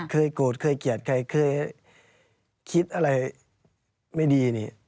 เคยโกรธเคยเกลียดใครเคยคิดอะไรไม่ดีนี่